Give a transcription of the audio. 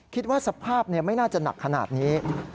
คิดว่าสภาพไม่น่าจะหนักขนาดนี้